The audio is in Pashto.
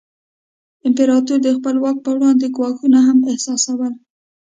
امپراتور د خپل واک پر وړاندې ګواښونه هم احساسول.